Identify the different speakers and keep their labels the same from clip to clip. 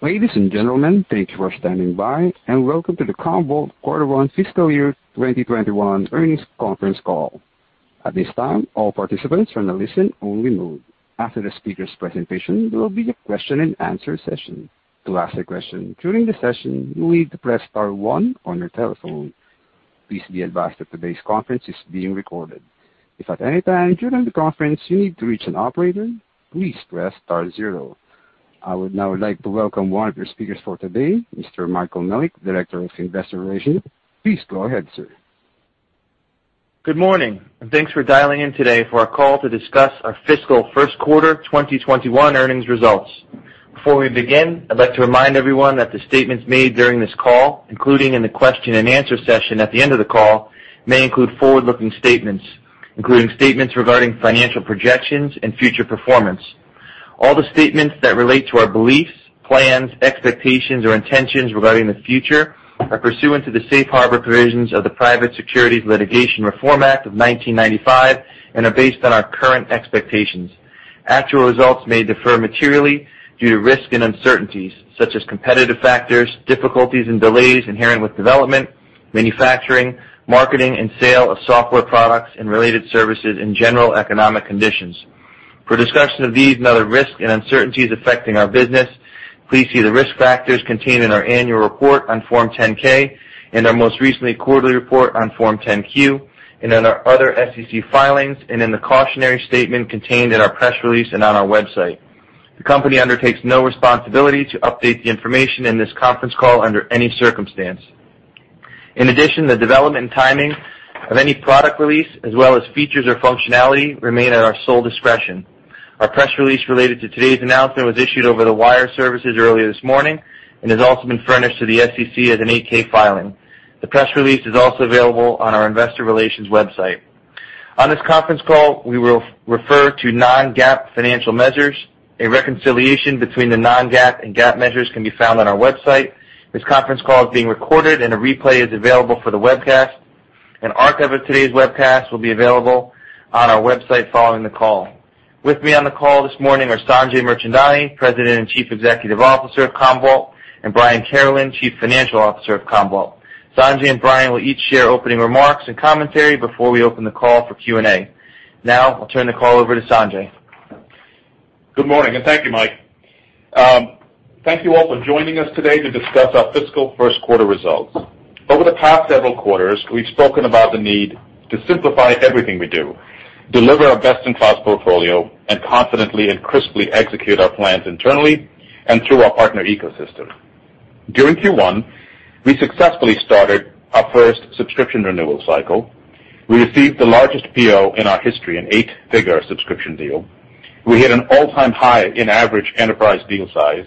Speaker 1: Ladies and gentlemen, thanks for standing by, and welcome to the Commvault Quarter 1 Fiscal Year 2021 Earnings Conference Call. At this time, all participants are on a listen-only mode. After the speakers' presentation, there will be a question and answer session. To ask a question during the session, you'll need to press star one on your telephone. Please be advised that today's conference is being recorded. If at any time during the conference you need to reach an operator, please press star zero. I would now like to welcome one of your speakers for today, Mr. Michael Melnyk, Director of Investor Relations. Please go ahead, sir.
Speaker 2: Good morning. Thanks for dialing in today for our call to discuss our fiscal first quarter 2021 earnings results. Before we begin, I'd like to remind everyone that the statements made during this call, including in the question and answer session at the end of the call, may include forward-looking statements, including statements regarding financial projections and future performance. All the statements that relate to our beliefs, plans, expectations, or intentions regarding the future are pursuant to the safe harbor provisions of the Private Securities Litigation Reform Act of 1995 and are based on our current expectations. Actual results may differ materially due to risks and uncertainties, such as competitive factors, difficulties and delays inherent with development, manufacturing, marketing, and sale of software products and related services in general economic conditions. For a discussion of these and other risks and uncertainties affecting our business, please see the risk factors contained in our annual report on Form 10-K, in our most recent quarterly report on Form 10-Q, and in our other SEC filings, and in the cautionary statement contained in our press release and on our website. The company undertakes no responsibility to update the information in this conference call under any circumstance. In addition, the development and timing of any product release, as well as features or functionality, remain at our sole discretion. Our press release related to today's announcement was issued over the wire services earlier this morning and has also been furnished to the SEC as an 8-K filing. The press release is also available on our investor relations website. On this conference call, we will refer to non-GAAP financial measures. A reconciliation between the non-GAAP and GAAP measures can be found on our website. This conference call is being recorded, and a replay is available for the webcast. An archive of today's webcast will be available on our website following the call. With me on the call this morning are Sanjay Mirchandani, President and Chief Executive Officer of Commvault, and Brian Carolan, Chief Financial Officer of Commvault. Sanjay and Brian will each share opening remarks and commentary before we open the call for Q&A. Now, I'll turn the call over to Sanjay.
Speaker 3: Good morning, and thank you, Mike. Thank you all for joining us today to discuss our fiscal first quarter results. Over the past several quarters, we've spoken about the need to simplify everything we do, deliver our best-in-class portfolio, and confidently and crisply execute our plans internally and through our partner ecosystem. During Q1, we successfully started our first subscription renewal cycle, we received the largest PO in our history, an eight-figure subscription deal. We hit an all-time high in average enterprise deal size.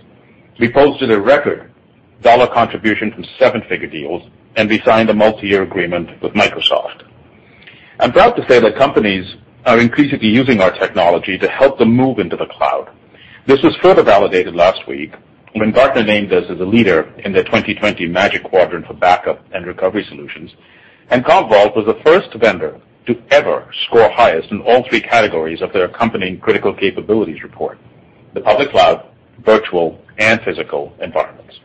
Speaker 3: We posted a record dollar contribution from seven-figure deals, and we signed a multi-year agreement with Microsoft. I'm proud to say that companies are increasingly using our technology to help them move into the cloud. This was further validated last week when Gartner named us as a leader in their 2020 Magic Quadrant for Data Center Backup and Recovery Solutions. Commvault was the first vendor to ever score highest in all three categories of their accompanying Critical Capabilities report, the public cloud, virtual, and physical environments.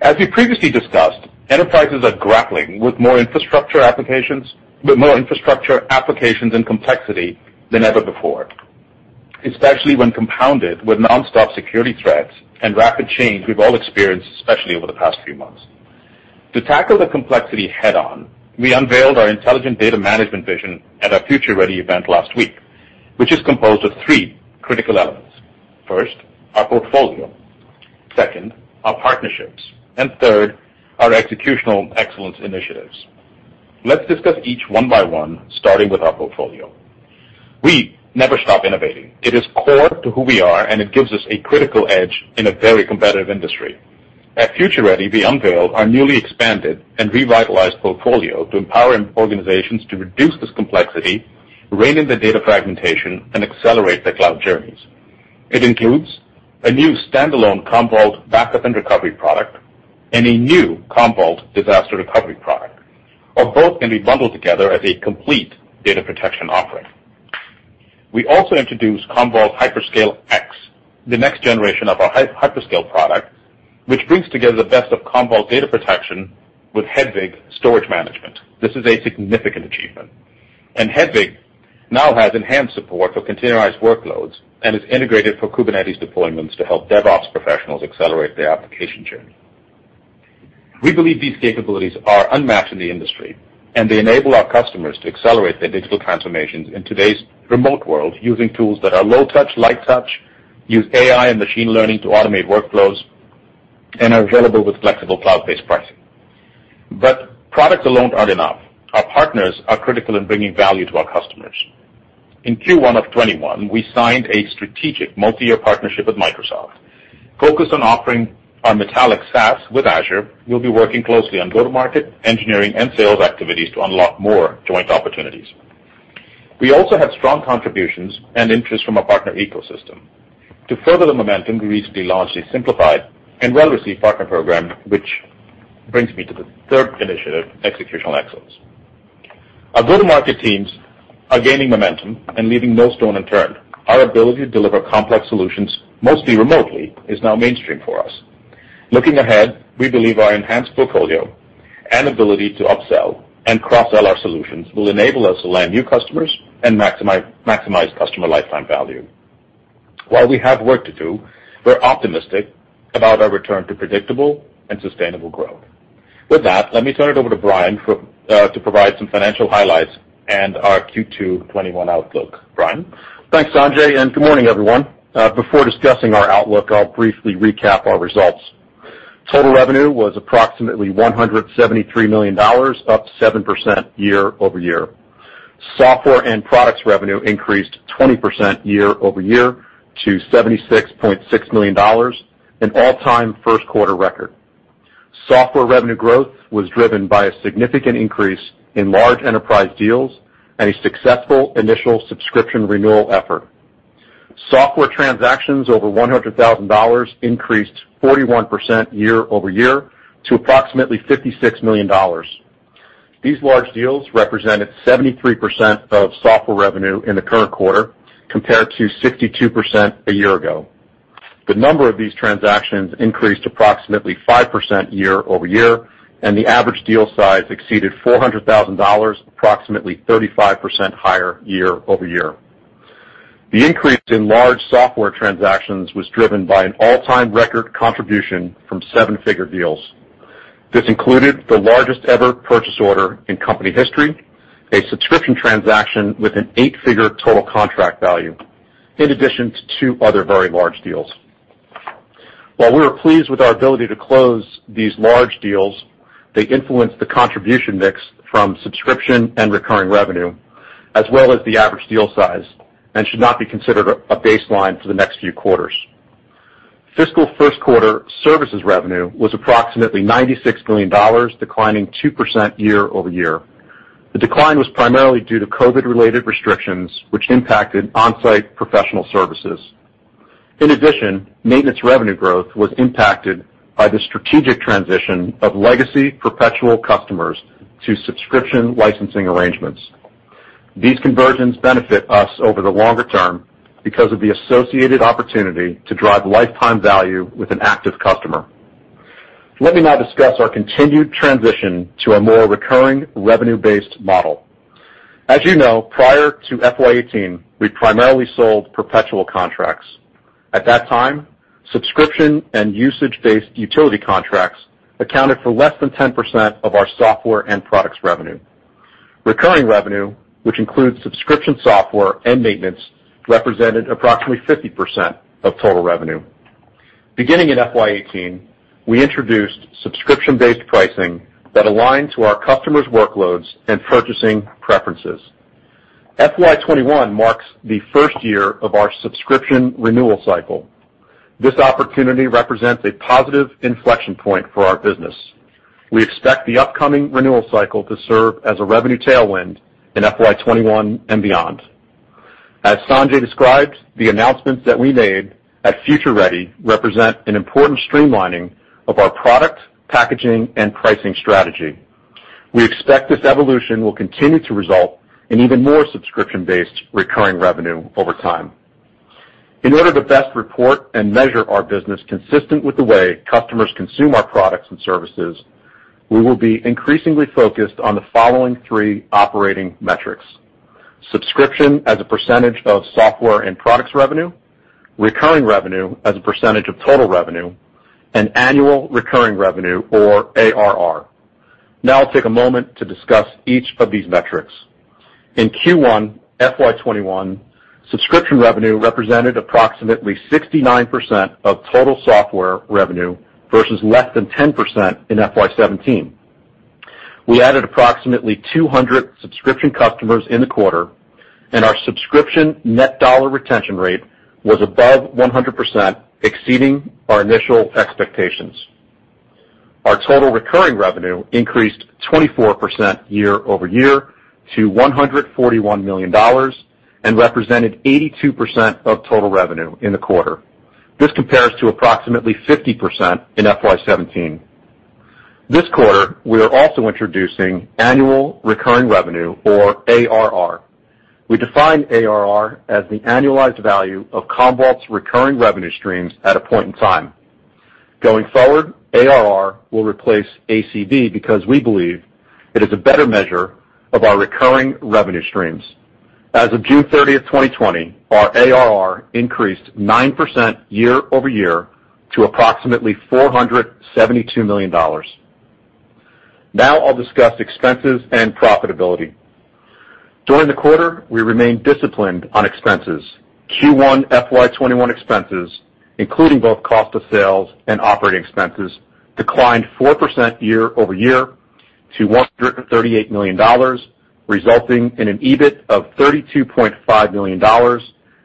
Speaker 3: As we previously discussed, enterprises are grappling with more infrastructure applications and complexity than ever before, especially when compounded with nonstop security threats and rapid change we've all experienced, especially over the past few months. To tackle the complexity head-on, we unveiled our intelligent data management vision at our FutureReady event last week, which is composed of three critical elements. First, our portfolio. Second, our partnerships, and third, our executional excellence initiatives. Let's discuss each one by one, starting with our portfolio. We never stop innovating. It is core to who we are, and it gives us a critical edge in a very competitive industry. At FutureReady, we unveiled our newly expanded and revitalized portfolio to empower organizations to reduce this complexity, rein in the data fragmentation, and accelerate their cloud journeys. It includes a new standalone Commvault Backup & Recovery product and a new Commvault Disaster Recovery product, or both can be bundled together as a complete data protection offering. We also introduced Commvault HyperScale X, the next generation of our HyperScale product, which brings together the best of Commvault data protection with Hedvig storage management. This is a significant achievement. Hedvig now has enhanced support for containerized workloads and is integrated for Kubernetes deployments to help DevOps professionals accelerate their application journey. We believe these capabilities are unmatched in the industry, and they enable our customers to accelerate their digital transformations in today's remote world using tools that are low touch, light touch, use AI and machine learning to automate workflows, and are available with flexible cloud-based pricing. Products alone aren't enough. Our partners are critical in bringing value to our customers. In Q1 of 2021, we signed a strategic multi-year partnership with Microsoft focused on offering our Metallic SaaS with Azure. We'll be working closely on go-to-market, engineering, and sales activities to unlock more joint opportunities. We also have strong contributions and interest from our partner ecosystem. To further the momentum, we recently launched a simplified and well-received partner program, which brings me to the third initiative, executional excellence. Our go-to-market teams are gaining momentum and leaving no stone unturned. Our ability to deliver complex solutions, mostly remotely, is now mainstream for us. Looking ahead, we believe our enhanced portfolio and ability to upsell and cross-sell our solutions will enable us to land new customers and maximize customer lifetime value. While we have work to do, we're optimistic about our return to predictable and sustainable growth. With that, let me turn it over to Brian to provide some financial highlights and our Q2 2021 outlook. Brian?
Speaker 4: Thanks, Sanjay, and good morning, everyone. Before discussing our outlook, I'll briefly recap our results. Total revenue was approximately $173 million, up 7% year-over-year. Software and products revenue increased 20% year-over-year to $76.6 million, an all-time first quarter record. Software revenue growth was driven by a significant increase in large enterprise deals and a successful initial subscription renewal effort. Software transactions over $100,000 increased 41% year-over-year to approximately $56 million. These large deals represented 73% of software revenue in the current quarter, compared to 62% a year ago. The number of these transactions increased approximately 5% year-over-year, and the average deal size exceeded $400,000, approximately 35% higher year-over-year. The increase in large software transactions was driven by an all-time record contribution from seven-figure deals. This included the largest ever purchase order in company history, a subscription transaction with an eight-figure total contract value, in addition to two other very large deals. While we are pleased with our ability to close these large deals, they influence the contribution mix from subscription and recurring revenue, as well as the average deal size, and should not be considered a baseline for the next few quarters. Fiscal first quarter services revenue was approximately $96 million, declining 2% year-over-year. The decline was primarily due to COVID-related restrictions which impacted on-site professional services. In addition, maintenance revenue growth was impacted by the strategic transition of legacy perpetual customers to subscription licensing arrangements. These conversions benefit us over the longer term because of the associated opportunity to drive lifetime value with an active customer. Let me now discuss our continued transition to a more recurring revenue-based model. As you know, prior to FY 2018, we primarily sold perpetual contracts. At that time, subscription and usage-based utility contracts accounted for less than 10% of our software and products revenue. Recurring revenue, which includes subscription software and maintenance, represented approximately 50% of total revenue. Beginning in FY 2018, we introduced subscription-based pricing that aligned to our customers' workloads and purchasing preferences. FY 2021 marks the first year of our subscription renewal cycle. This opportunity represents a positive inflection point for our business. We expect the upcoming renewal cycle to serve as a revenue tailwind in FY 2021 and beyond. As Sanjay described, the announcements that we made at FutureReady represent an important streamlining of our product, packaging, and pricing strategy. We expect this evolution will continue to result in even more subscription-based recurring revenue over time. In order to best report and measure our business consistent with the way customers consume our products and services, we will be increasingly focused on the following three operating metrics: subscription as a percentage of software and products revenue, recurring revenue as a percentage of total revenue, and annual recurring revenue, or ARR. I'll take a moment to discuss each of these metrics. In Q1 FY 2021, subscription revenue represented approximately 69% of total software revenue, versus less than 10% in FY 2017. We added approximately 200 subscription customers in the quarter, and our subscription net dollar retention rate was above 100%, exceeding our initial expectations. Our total recurring revenue increased 24% year-over-year to $141 million and represented 82% of total revenue in the quarter. This compares to approximately 50% in FY 2017. This quarter, we are also introducing annual recurring revenue, or ARR. We define ARR as the annualized value of Commvault's recurring revenue streams at a point in time. Going forward, ARR will replace ACV because we believe it is a better measure of our recurring revenue streams. As of June 30th, 2020, our ARR increased 9% year-over-year to approximately $472 million. Now I'll discuss expenses and profitability. Q1 FY 2021 expenses, including both cost of sales and operating expenses, declined 4% year-over-year to $138 million, resulting in an EBIT of $32.5 million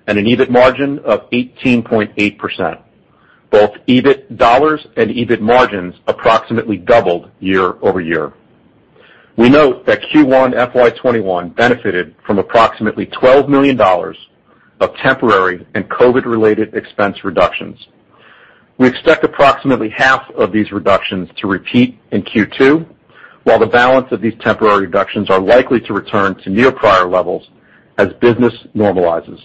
Speaker 4: and an EBIT margin of 18.8%. Both EBIT dollars and EBIT margins approximately doubled year-over-year. We note that Q1 FY 2021 benefited from approximately $12 million of temporary and COVID-related expense reductions. We expect approximately half of these reductions to repeat in Q2, while the balance of these temporary reductions are likely to return to near prior levels as business normalizes.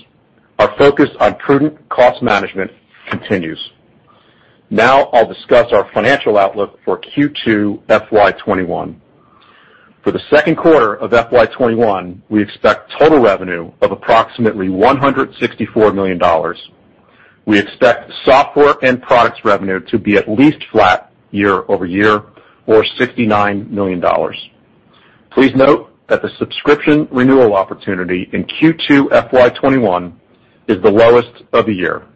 Speaker 4: Our focus on prudent cost management continues. Now I'll discuss our financial outlook for Q2 FY 2021. For the second quarter of FY 2021, we expect total revenue of approximately $164 million. We expect software and products revenue to be at least flat year-over-year or $69 million. Please note that the subscription renewal opportunity in Q2 FY 2021 is the lowest of the year.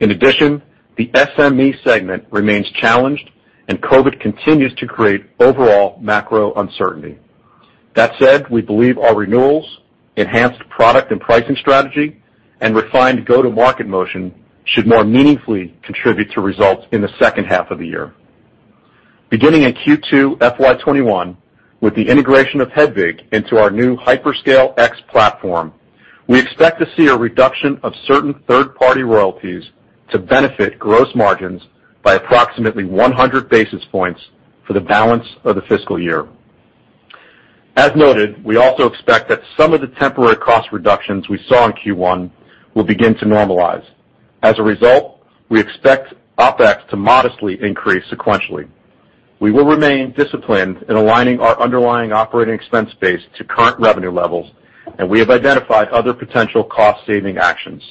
Speaker 4: In addition, the SME segment remains challenged, and COVID continues to create overall macro uncertainty. That said, we believe our renewals, enhanced product and pricing strategy, and refined go-to-market motion should more meaningfully contribute to results in the second half of the year. Beginning in Q2 FY 2021, with the integration of Hedvig into our new HyperScale X platform, we expect to see a reduction of certain third-party royalties to benefit gross margins by approximately 100 basis points for the balance of the fiscal year. As noted, we also expect that some of the temporary cost reductions we saw in Q1 will begin to normalize. As a result, we expect OpEx to modestly increase sequentially. We will remain disciplined in aligning our underlying operating expense base to current revenue levels, and we have identified other potential cost-saving actions.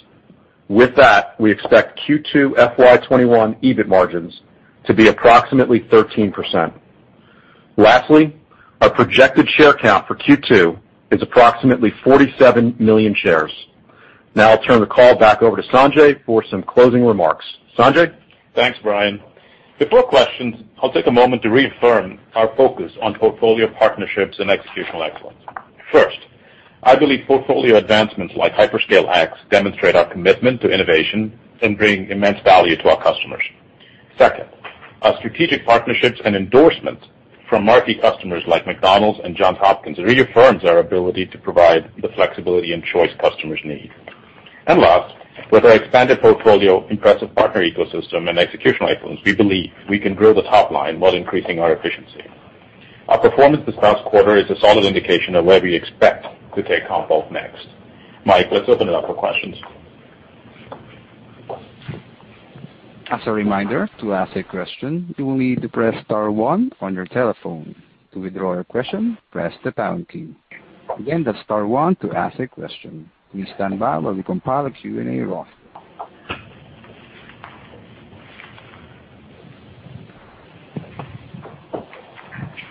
Speaker 4: With that, we expect Q2 FY 2021 EBIT margins to be approximately 13%. Lastly, our projected share count for Q2 is approximately 47 million shares. Now I'll turn the call back over to Sanjay for some closing remarks. Sanjay?
Speaker 3: Thanks, Brian. Before questions, I'll take a moment to reaffirm our focus on portfolio partnerships and executional excellence. First, I believe portfolio advancements like HyperScale X demonstrate our commitment to innovation and bring immense value to our customers. Second, our strategic partnerships and endorsements from marquee customers like McDonald's and Johns Hopkins reaffirms our ability to provide the flexibility and choice customers need. Last, with our expanded portfolio, impressive partner ecosystem, and executional excellence, we believe we can grow the top line while increasing our efficiency. Our performance this past quarter is a solid indication of where we expect to take Commvault next. Mike, let's open it up for questions.
Speaker 1: As a reminder, to ask a question, you will need to press star one on your telephone. To withdraw your question, press the pound key. Again, that's star one to ask a question. Please stand by while we compile a Q&A roster.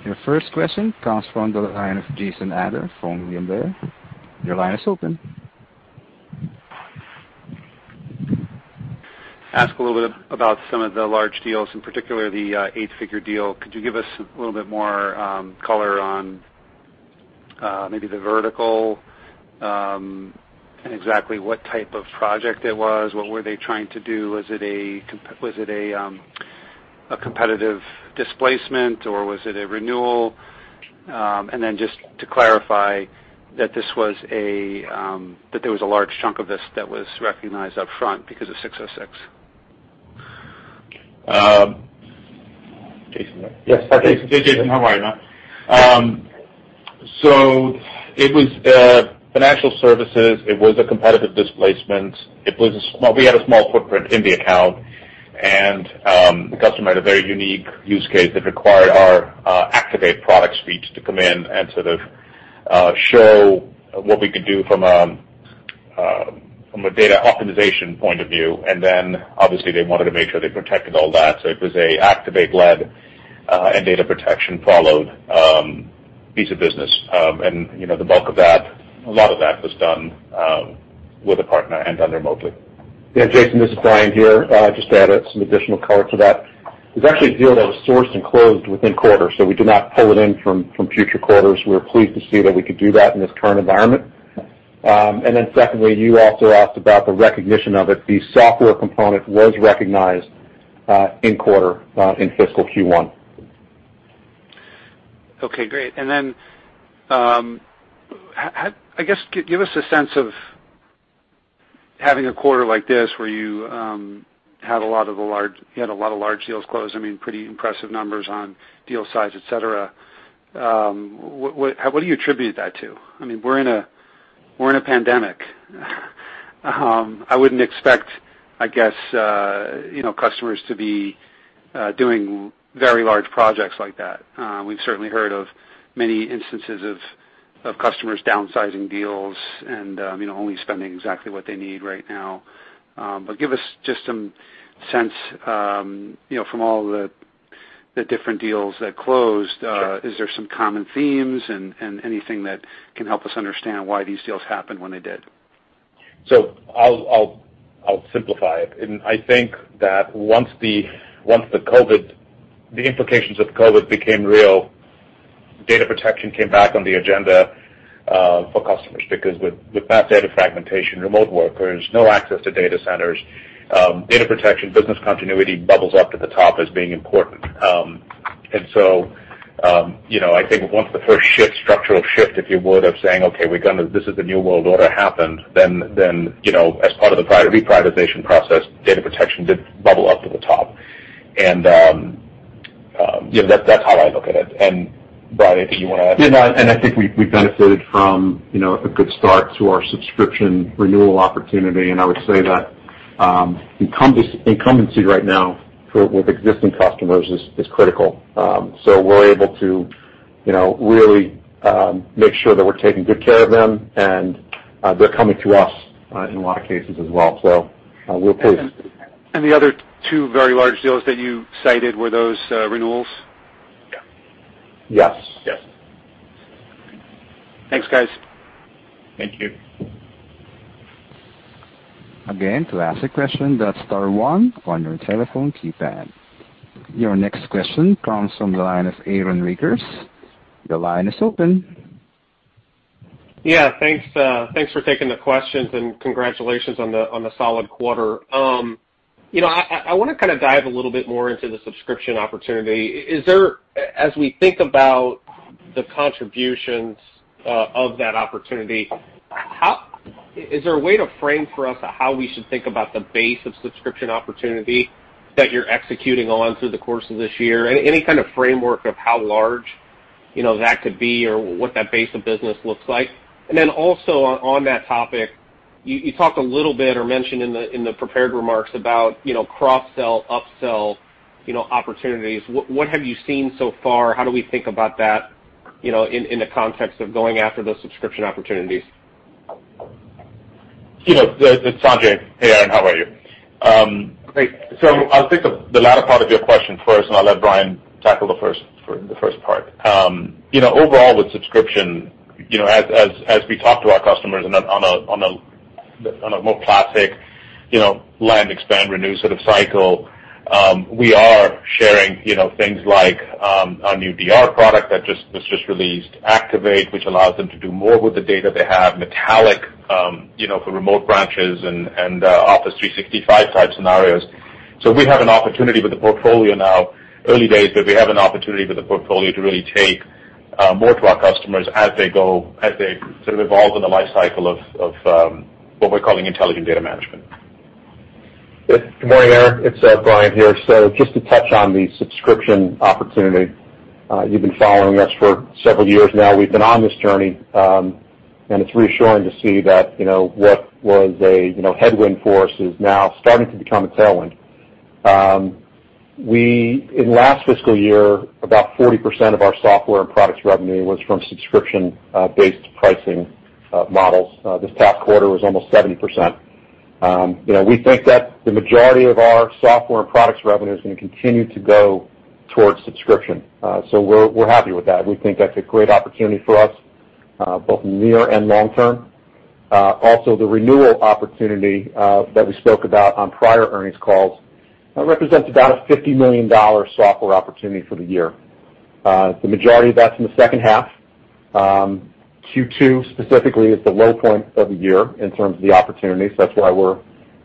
Speaker 1: Your first question comes from the line of Jason Ader from William Blair. Your line is open.
Speaker 5: Ask a little bit about some of the large deals, in particular the eight-figure deal. Could you give us a little bit more color on maybe the vertical and exactly what type of project it was? What were they trying to do? Was it a competitive displacement, or was it a renewal? Just to clarify that there was a large chunk of this that was recognized up front because of 606.
Speaker 3: Jason, right?
Speaker 4: Yes.
Speaker 3: Hey, Jason. How are you, man? It was financial services. It was a competitive displacement. We had a small footprint in the account, and the customer had a very unique use case that required our Activate product suite to come in and sort of show what we could do from a data optimization point of view. Obviously they wanted to make sure they protected all that. It was a Activate-led and data protection followed piece of business. The bulk of that, a lot of that was done with a partner and done remotely.
Speaker 4: Yeah, Jason, this is Brian here. Just to add some additional color to that. It was actually a deal that was sourced and closed within quarters, so we did not pull it in from future quarters. We were pleased to see that we could do that in this current environment. Secondly, you also asked about the recognition of it. The software component was recognized in quarter in fiscal Q1.
Speaker 5: Okay, great. Then, I guess, give us a sense of having a quarter like this, where you had a lot of large deals close. Pretty impressive numbers on deal size, et cetera. What do you attribute that to? We're in a pandemic. I wouldn't expect, I guess, customers to be doing very large projects like that. We've certainly heard of many instances of customers downsizing deals and only spending exactly what they need right now. Give us just some sense from all the different deals that closed.
Speaker 3: Sure.
Speaker 5: Is there some common themes and anything that can help us understand why these deals happened when they did?
Speaker 3: I'll simplify it. I think that once the implications of COVID became real, data protection came back on the agenda for customers. With vast data fragmentation, remote workers, no access to data centers, data protection, business continuity bubbles up to the top as being important. I think once the first structural shift, if you would, of saying, "Okay, this is the new world order," happened, then as part of the reprioritization process, data protection did bubble up to the top. That's how I look at it. Brian, anything you want to add?
Speaker 4: Yeah, no. I think we benefited from a good start to our subscription renewal opportunity, and I would say that incumbency right now with existing customers is critical. We're able to really make sure that we're taking good care of them, and they're coming to us in a lot of cases as well. We're pleased.
Speaker 5: The other two very large deals that you cited, were those renewals?
Speaker 3: Yeah.
Speaker 4: Yes.
Speaker 5: Thanks, guys.
Speaker 3: Thank you.
Speaker 1: Again, to ask a question, dial star one on your telephone keypad. Your next question comes from the line of Aaron Rakers. Your line is open.
Speaker 6: Yeah, thanks for taking the questions, and congratulations on the solid quarter. I want to kind of dive a little bit more into the subscription opportunity. As we think about the contributions of that opportunity, is there a way to frame for us how we should think about the base of subscription opportunity that you're executing on through the course of this year? Any kind of framework of how large that could be or what that base of business looks like? Also on that topic, you talked a little bit or mentioned in the prepared remarks about cross-sell, up-sell opportunities. What have you seen so far? How do we think about that in the context of going after those subscription opportunities?
Speaker 3: It's Sanjay. Hey, Aaron, how are you?
Speaker 6: Great.
Speaker 3: I'll take the latter part of your question first, and I'll let Brian tackle the first part. Overall with subscription, as we talk to our customers on a more classic land, expand, renew sort of cycle, we are sharing things like our new DR product that was just released, Activate, which allows them to do more with the data they have, Metallic for remote branches and Office 365 type scenarios. We have an opportunity with the portfolio now, early days, but we have an opportunity with the portfolio to really take more to our customers as they sort of evolve in the life cycle of what we're calling intelligent data management.
Speaker 4: Good morning, Aaron Rakers. It's Brian here. Just to touch on the subscription opportunity, you've been following us for several years now. We've been on this journey, and it's reassuring to see that what was a headwind for us is now starting to become a tailwind. In last fiscal year, about 40% of our software and products revenue was from subscription-based pricing models. This past quarter was almost 70%. We think that the majority of our software and products revenue is going to continue to go towards subscription. We're happy with that. We think that's a great opportunity for us, both near and long-term. Also, the renewal opportunity that we spoke about on prior earnings calls represents about a $50 million software opportunity for the year. The majority of that's in the second half. Q2 specifically is the low point of the year in terms of the opportunities. That's why we're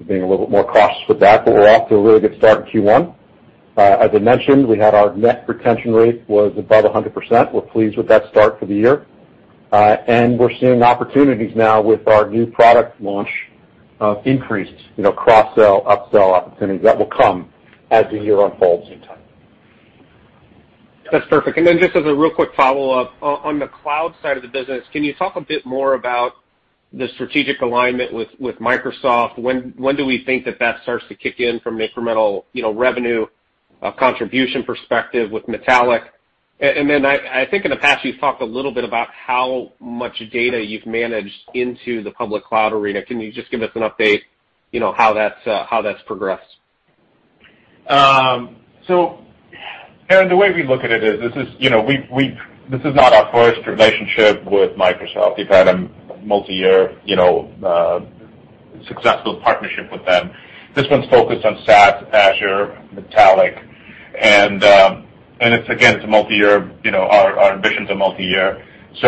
Speaker 4: being a little bit more cautious with that. We're off to a really good start in Q1. As I mentioned, our net retention rate was above 100%. We're pleased with that start for the year. We're seeing opportunities now with our new product launch of increased cross-sell, up-sell opportunities. That will come as the year unfolds in time.
Speaker 6: That's perfect. Then just as a real quick follow-up, on the cloud side of the business, can you talk a bit more about the strategic alignment with Microsoft? When do we think that that starts to kick in from an incremental revenue contribution perspective with Metallic? Then I think in the past, you've talked a little bit about how much data you've managed into the public cloud arena. Can you just give us an update, how that's progressed?
Speaker 3: Aaron, the way we look at it is this is not our first relationship with Microsoft. We've had a multi-year successful partnership with them. This one's focused on SaaS, Azure, Metallic, and it's again, our ambitions are multi-year.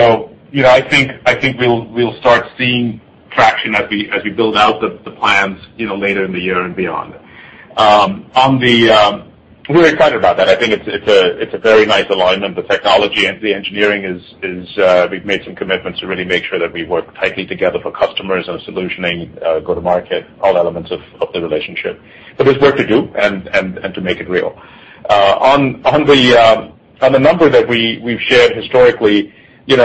Speaker 3: I think we'll start seeing traction as we build out the plans later in the year and beyond. We're excited about that. I think it's a very nice alignment. The technology and the engineering is, we've made some commitments to really make sure that we work tightly together for customers on solutioning, go to market, all elements of the relationship. There's work to do, and to make it real. On the number that we've shared historically, we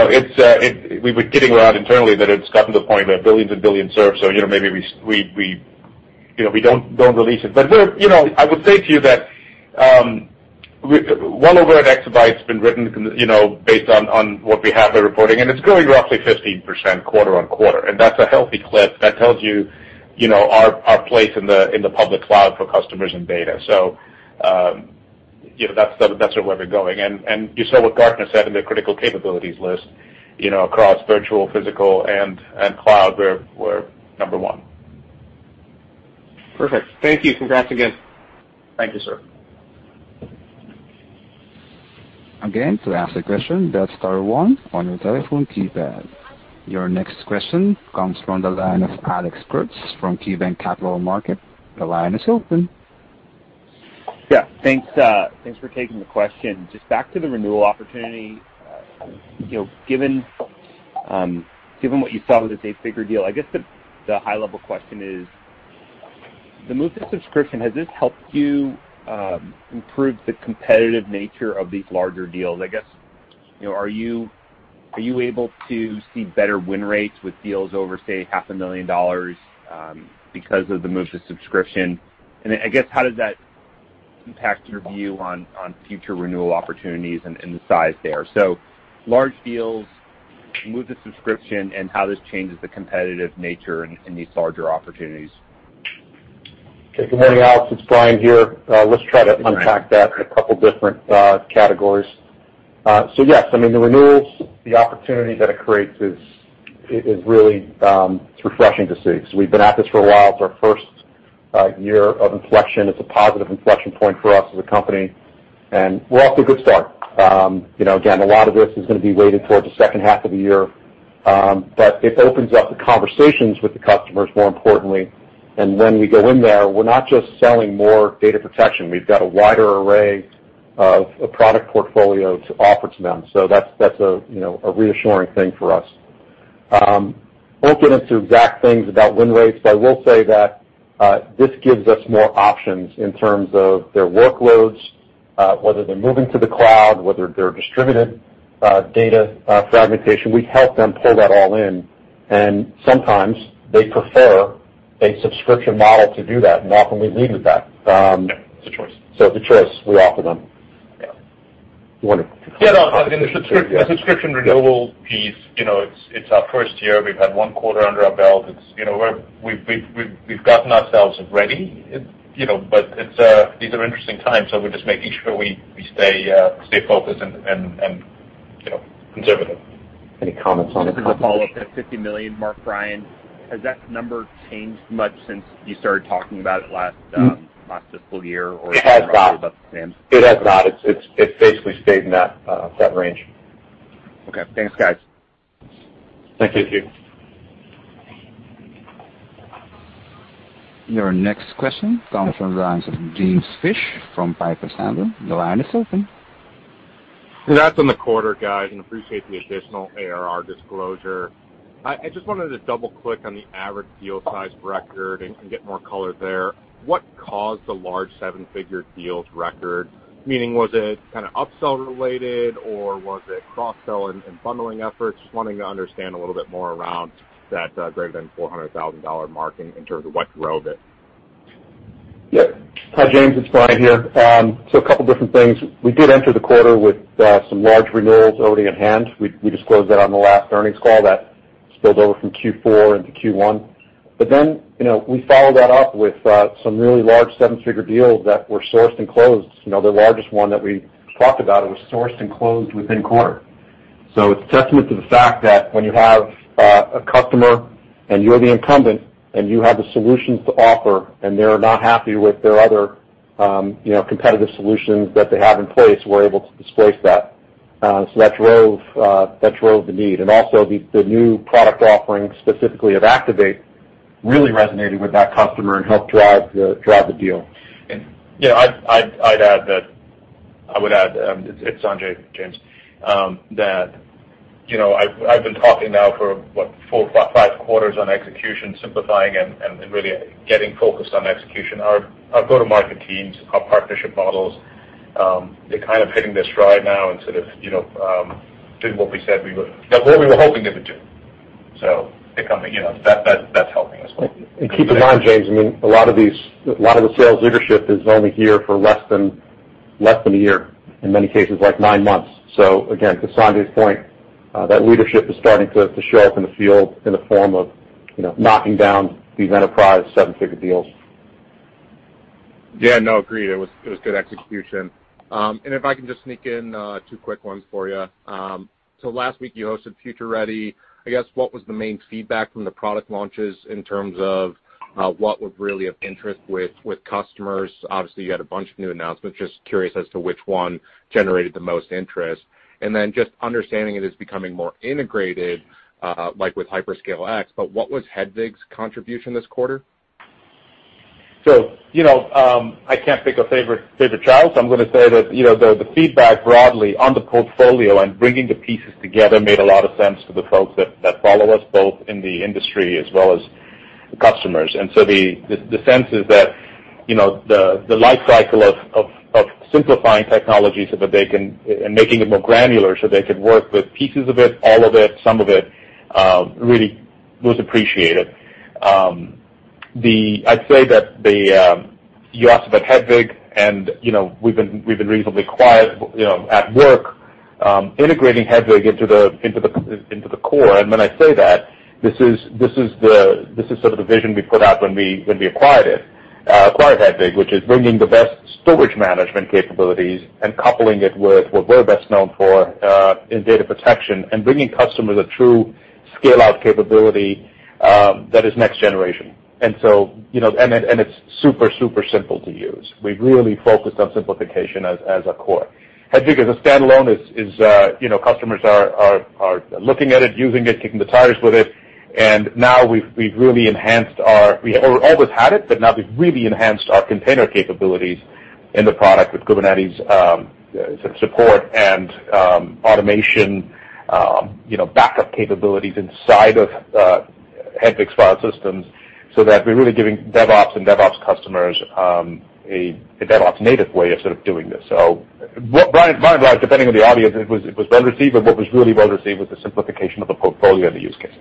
Speaker 3: were kidding around internally that it's gotten to the point where billions and billions serve, so maybe we don't release it. I would say to you that well over an exabyte, it's been written based on what we have the reporting, and it's growing roughly 15% quarter-on-quarter, and that's a healthy clip that tells you our place in the public cloud for customers and data. That's where we're going. You saw what Gartner said in their Critical Capabilities list, across virtual, physical, and cloud, we're number one.
Speaker 6: Perfect. Thank you. Congrats again.
Speaker 3: Thank you, sir.
Speaker 1: Again, to ask a question, dial star one on your telephone keypad. Your next question comes from the line of Alex Kurtz from KeyBanc Capital Markets. The line is open.
Speaker 7: Yeah, thanks for taking the question. Just back to the renewal opportunity, given what you saw with this bigger deal, I guess the high-level question is the move to subscription, has this helped you improve the competitive nature of these larger deals? I guess, are you able to see better win rates with deals over, say, half a million dollars because of the move to subscription? I guess, how does that impact your view on future renewal opportunities and the size there? Large deals, move to subscription, and how this changes the competitive nature in these larger opportunities.
Speaker 4: Okay. Good morning, Alex. It's Brian here. Let's try to unpack that in a couple of different categories. Yes, I mean, the renewals, the opportunity that it creates is really refreshing to see. We've been at this for a while. It's our first year of inflection. It's a positive inflection point for us as a company, and we're off to a good start. Again, a lot of this is going to be weighted towards the second half of the year, but it opens up the conversations with the customers, more importantly, and when we go in there, we're not just selling more data protection. We've got a wider array of a product portfolio to offer to them. That's a reassuring thing for us. Won't get into exact things about win rates, but I will say that this gives us more options in terms of their workloads, whether they're moving to the cloud, whether they're distributed data fragmentation. We help them pull that all in, and sometimes they prefer a subscription model to do that, and often we lead with that.
Speaker 7: It's a choice.
Speaker 4: It's a choice we offer them.
Speaker 7: Yeah.
Speaker 4: You want to add.
Speaker 3: Yeah, no, the subscription renewal piece, it's our first year. We've had one quarter under our belt. We've gotten ourselves ready, but these are interesting times, so we're just making sure we stay focused and conservative.
Speaker 4: Any comments on the-
Speaker 7: Just a follow-up. That $50 million mark, Brian, has that number changed much since you started talking about it last fiscal year?
Speaker 4: It has not. It has not. It's basically stayed in that range.
Speaker 7: Okay. Thanks, guys.
Speaker 3: Thank you.
Speaker 4: Thank you.
Speaker 1: Your next question comes from the lines of James Fish from Piper Sandler. The line is open.
Speaker 8: Congrats on the quarter, guys, and appreciate the additional ARR disclosure. I just wanted to double-click on the average deal size record and get more color there. What caused the large seven-figure deals record? Meaning, was it kind of upsell related, or was it cross-sell and bundling efforts? Just wanting to understand a little bit more around that greater than $400,000 marking in terms of what drove it.
Speaker 4: Hi, James. It's Brian here. A couple of different things. We did enter the quarter with some large renewals already in hand. We disclosed that on the last earnings call that spilled over from Q4 into Q1. We followed that up with some really large seven-figure deals that were sourced and closed. The largest one that we talked about, it was sourced and closed within quarter. It's a testament to the fact that when you have a customer and you're the incumbent, and you have the solutions to offer, and they're not happy with their other competitive solutions that they have in place, we're able to displace that. That drove the need. Also, the new product offerings, specifically of Activate, really resonated with that customer and helped drive the deal.
Speaker 3: Yeah, I would add, it's Sanjay, James, that I've been talking now for, what, four, five quarters on execution, simplifying, and really getting focused on execution. Our go-to-market teams, our partnership models, they're kind of hitting their stride now and sort of doing what we were hoping they would do. They're coming. That's helping us.
Speaker 4: Keep in mind, James, I mean, a lot of the sales leadership is only here for less than a year, in many cases, like nine months. Again, to Sanjay's point, that leadership is starting to show up in the field in the form of knocking down these enterprise seven-figure deals.
Speaker 8: Yeah, no, agreed. It was good execution. If I can just sneak in two quick ones for you. Last week, you hosted FutureReady. I guess, what was the main feedback from the product launches in terms of what was really of interest with customers? Obviously, you had a bunch of new announcements. Just curious as to which one generated the most interest. Then just understanding it is becoming more integrated, like with HyperScale X, but what was Hedvig's contribution this quarter?
Speaker 3: I can't pick a favorite child, so I'm going to say that the feedback broadly on the portfolio and bringing the pieces together made a lot of sense to the folks that follow us, both in the industry as well as the customers. The sense is that the life cycle of simplifying technologies and making it more granular so they could work with pieces of it, all of it, some of it, really was appreciated. You asked about Hedvig, and we've been reasonably quiet at work integrating Hedvig into the core. When I say that, this is sort of the vision we put out when we acquired it, acquired Hedvig, which is bringing the best storage management capabilities and coupling it with what we're best known for in data protection and bringing customers a true scale-out capability that is next generation. It's super simple to use. We've really focused on simplification as a core. Hedvig as a standalone, customers are looking at it, using it, kicking the tires with it. Now We always had it, but now we've really enhanced our container capabilities in the product with Kubernetes support and automation, backup capabilities inside of Hedvig's file systems so that we're really giving DevOps and DevOps customers a DevOps-native way of sort of doing this. Brian, depending on the audience, it was well-received, but what was really well-received was the simplification of the portfolio and the use cases.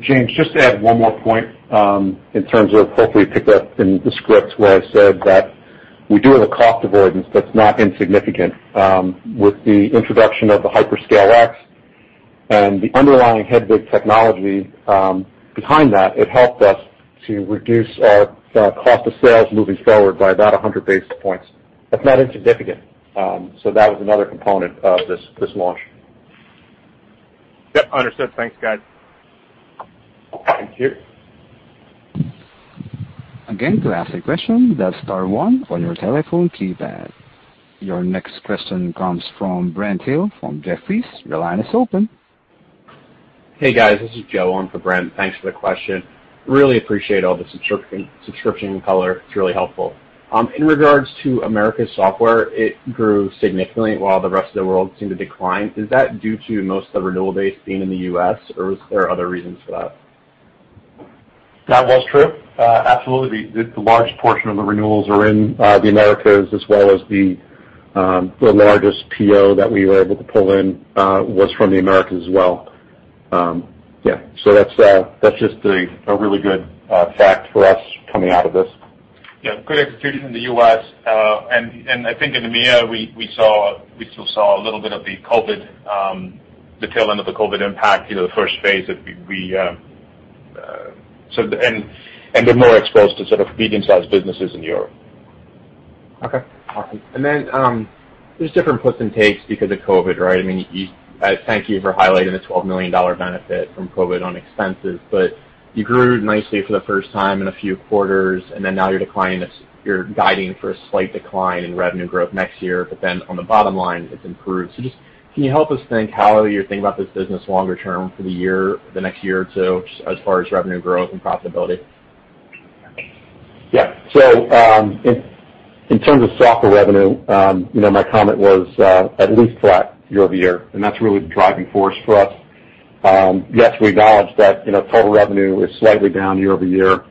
Speaker 4: James, just to add one more point in terms of hopefully you picked up in the script where I said that we do have a cost avoidance that's not insignificant with the introduction of the HyperScale X and the underlying Hedvig technology behind that, it helped us to reduce our cost of sales moving forward by about 100 basis points. That's not insignificant. That was another component of this launch.
Speaker 8: Yep, understood. Thanks, guys.
Speaker 4: Thank you.
Speaker 1: Again, to ask a question, dial star one on your telephone keypad. Your next question comes from Brent Thill from Jefferies. Your line is open.
Speaker 9: Hey, guys, this is Joe on for Brent. Thanks for the question. Really appreciate all the subscription color. It's really helpful. In regards to Americas software, it grew significantly while the rest of the world seemed to decline. Is that due to most of the renewal base being in the U.S. or is there other reasons for that?
Speaker 4: That was true. Absolutely. The large portion of the renewals are in the Americas as well as the largest PO that we were able to pull in was from the Americas as well. Yeah. That's just a really good fact for us coming out of this.
Speaker 3: Yeah, good execution in the U.S. I think in EMEA, we still saw a little bit of the tail end of the COVID impact, the first phase. We're more exposed to medium-sized businesses in Europe.
Speaker 9: Okay. Awesome. There's different puts and takes because of COVID, right? I thank you for highlighting the $12 million benefit from COVID on expenses, but you grew nicely for the first time in a few quarters, and then now you're declining. You're guiding for a slight decline in revenue growth next year, but then on the bottom line, it's improved. Just can you help us think how you're thinking about this business longer term for the next year or two, as far as revenue growth and profitability?
Speaker 4: Yeah. In terms of software revenue, my comment was at least flat year-over-year, and that's really the driving force for us. Yes, we acknowledge that total revenue is slightly down year-over-year.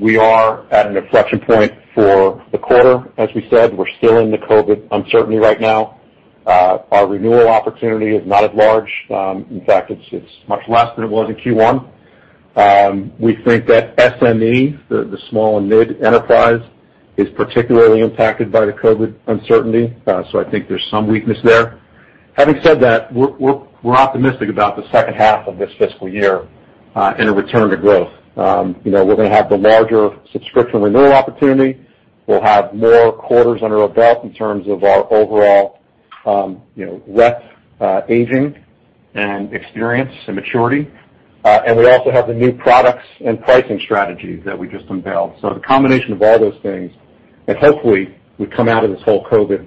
Speaker 4: We are at an inflection point for the quarter. As we said, we're still in the COVID uncertainty right now. Our renewal opportunity is not at large. In fact, it's much less than it was in Q1. We think that SME, the small and mid enterprise, is particularly impacted by the COVID uncertainty. I think there's some weakness there. Having said that, we're optimistic about the second half of this fiscal year in a return to growth. We're going to have the larger subscription renewal opportunity. We'll have more quarters under our belt in terms of our overall, breadth, aging, and experience and maturity. We also have the new products and pricing strategies that we just unveiled. The combination of all those things, and hopefully we come out of this whole COVID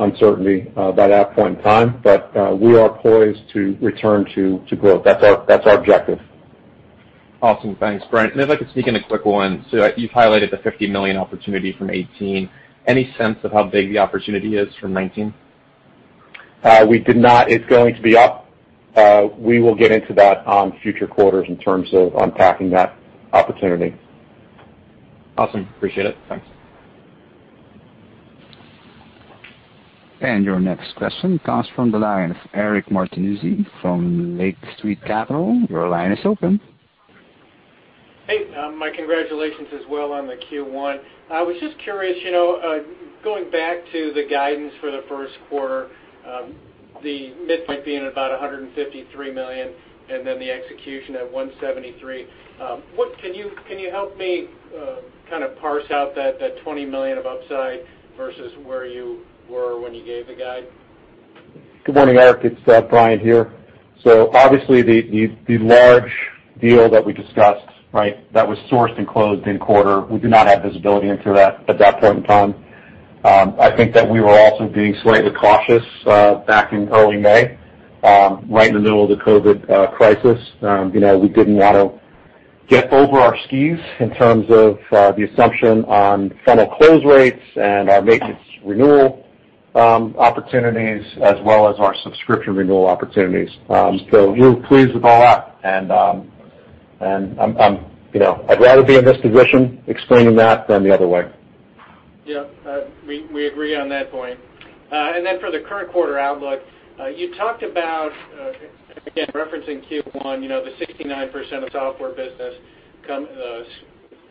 Speaker 4: uncertainty by that point in time, but we are poised to return to growth. That's our objective.
Speaker 9: Awesome. Thanks, Brian. If I could sneak in a quick one. You've highlighted the $50 million opportunity from 2018. Any sense of how big the opportunity is from 2019?
Speaker 4: We did not. It's going to be up. We will get into that on future quarters in terms of unpacking that opportunity.
Speaker 9: Awesome. Appreciate it. Thanks.
Speaker 1: Your next question comes from the line of Eric Martinuzzi from Lake Street Capital. Your line is open.
Speaker 10: Hey, my congratulations as well on the Q1. I was just curious, going back to the guidance for the first quarter, the midpoint being about $153 million and then the execution at $173 million. Can you help me kind of parse out that $20 million of upside versus where you were when you gave the guide?
Speaker 4: Good morning, Eric, it's Brian here. Obviously the large deal that we discussed that was sourced and closed in quarter, we did not have visibility into that at that point in time. I think that we were also being slightly cautious back in early May, right in the middle of the COVID crisis. We didn't want to get over our skis in terms of the assumption on funnel close rates and our maintenance renewal opportunities, as well as our subscription renewal opportunities. We're pleased with all that, and I'd rather be in this position explaining that than the other way.
Speaker 10: Yeah. We agree on that point. For the current quarter outlook, you talked about, again, referencing Q1, the 69% of software business,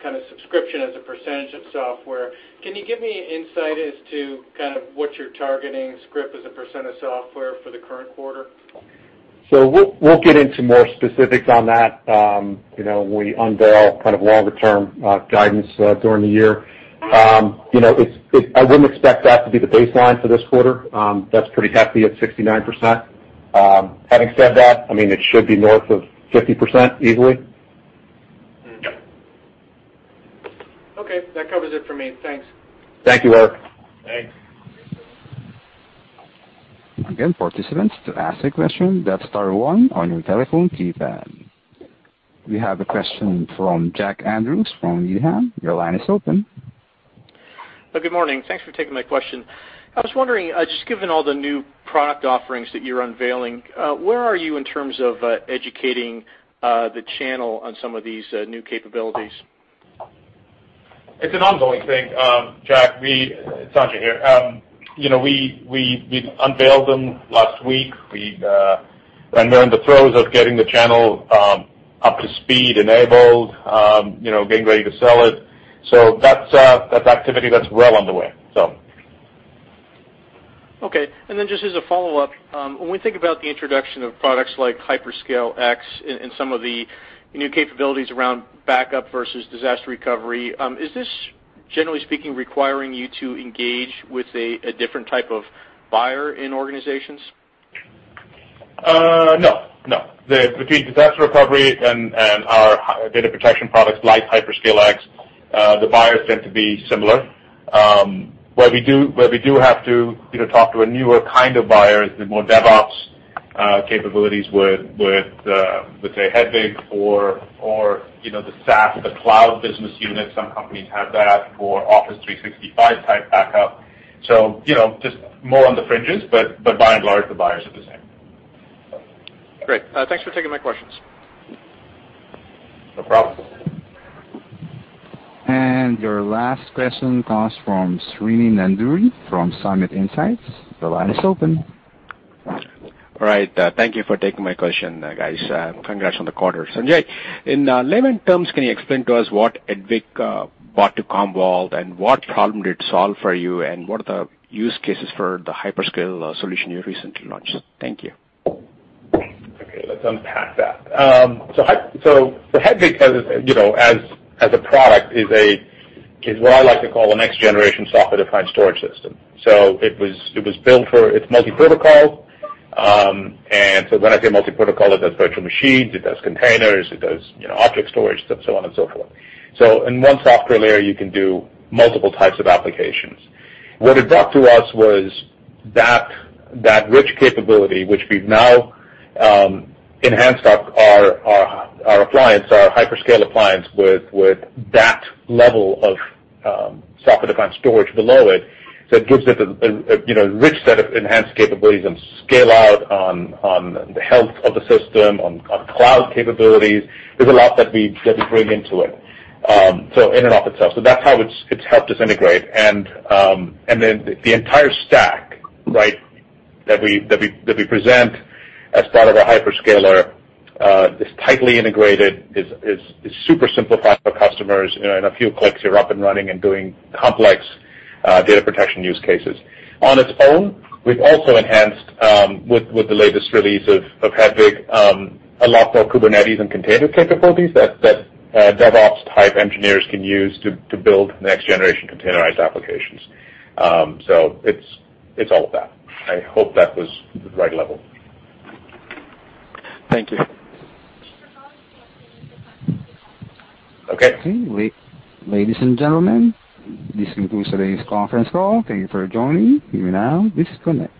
Speaker 10: kind of subscription as a percentage of software. Can you give me insight as to kind of what you're targeting subscription as a percent of software for the current quarter?
Speaker 4: We'll get into more specifics on that when we unveil kind of longer-term guidance during the year.
Speaker 3: I wouldn't expect that to be the baseline for this quarter. That's pretty hefty at 69%. Having said that, it should be north of 50%, easily.
Speaker 10: Yep. Okay, that covers it for me. Thanks.
Speaker 3: Thank you, Mark.
Speaker 4: Thanks.
Speaker 1: Participants, to ask a question, that's star one on your telephone keypad. We have a question from Jack Andrews from Needham. Your line is open.
Speaker 11: Good morning. Thanks for taking my question. I was wondering, just given all the new product offerings that you're unveiling, where are you in terms of educating the channel on some of these new capabilities?
Speaker 3: It's an ongoing thing, Jack. It's Sanjay here. We've unveiled them last week. We are in the throes of getting the channel up to speed, enabled, getting ready to sell it. That's activity that's well underway.
Speaker 11: Okay. Then just as a follow-up, when we think about the introduction of products like HyperScale X and some of the new capabilities around backup versus disaster recovery, is this, generally speaking, requiring you to engage with a different type of buyer in organizations?
Speaker 3: No. Between disaster recovery and our data protection products like HyperScale X, the buyers tend to be similar. Where we do have to talk to a newer kind of buyer is the more DevOps capabilities with, say, Hedvig or the SaaS, the cloud business unit, some companies have that, or Office 365 type backup. Just more on the fringes, but by and large, the buyers are the same.
Speaker 11: Great. Thanks for taking my questions.
Speaker 3: No problem.
Speaker 1: Your last question comes from Srini Nandury from Summit Insights. Your line is open.
Speaker 12: All right. Thank you for taking my question, guys. Congrats on the quarter. Sanjay, in layman terms, can you explain to us what Hedvig brought to Commvault, and what problem did it solve for you, and what are the use cases for the HyperScale solution you recently launched? Thank you.
Speaker 3: Let's unpack that. Hedvig, as a product, is what I like to call a next generation software-defined storage system. It's multi-protocol. When I say multi-protocol, it does virtual machines, it does containers, it does object storage, so on and so forth. In one software layer, you can do multiple types of applications. What it brought to us was that rich capability, which we've now enhanced our appliance, our HyperScale appliance, with that level of software-defined storage below it. It gives it a rich set of enhanced capabilities on scale out, on the health of the system, on cloud capabilities. There's a lot that we bring into it, so in and of itself. That's how it's helped us integrate. The entire stack that we present as part of our HyperScaler is tightly integrated, is super simplified for customers. In a few clicks, you're up and running and doing complex data protection use cases. On its own, we've also enhanced, with the latest release of Hedvig, a lot more Kubernetes and container capabilities that DevOps type engineers can use to build next generation containerized applications. It's all of that. I hope that was the right level.
Speaker 12: Thank you.
Speaker 3: Okay.
Speaker 1: Okay. Ladies and gentlemen, this concludes today's conference call. Thank you for joining. You may now disconnect.